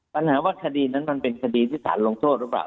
ปัญหาว่าคดีนั้นมันเป็นคดีที่สารลงโทษหรือเปล่า